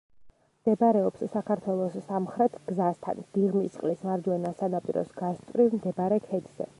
მდებარეობს საქართველოს სამხრეთ გზასთან, დიღმისწყლის მარჯვენა სანაპიროს გასწვრივ მდებარე ქედზე.